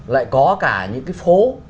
lại có cả những cái phố